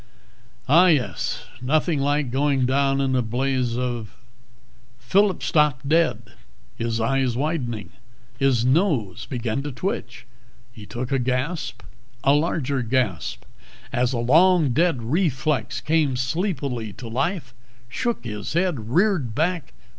"Ah, yes. Nothing like going down in a blaze of " Phillip stopped dead, his eyes widening. His nose began to twitch. He took a gasp, a larger gasp, as a long dead reflex came sleepily to life, shook its head, reared back